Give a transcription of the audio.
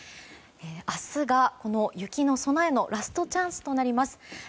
明日がこの雪への備えのラストチャンスとなります。